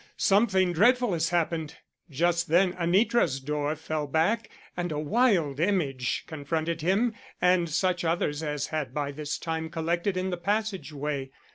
Something dreadful has happened " Just then Anitra's door fell back and a wild image confronted him and such others as had by this time collected in the passageway.